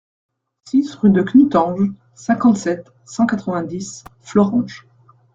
six rue de Knutange, cinquante-sept, cent quatre-vingt-dix, Florange